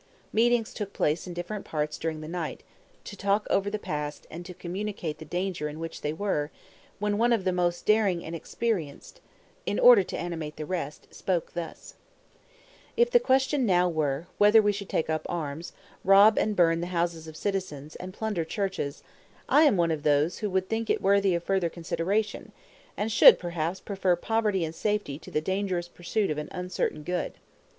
Meetings took place in different parts during the night, to talk over the past, and to communicate the danger in which they were, when one of the most daring and experienced, in order to animate the rest, spoke thus: "If the question now were, whether we should take up arms, rob and burn the houses of the citizens, and plunder churches, I am one of those who would think it worthy of further consideration, and should, perhaps, prefer poverty and safety to the dangerous pursuit of an uncertain good.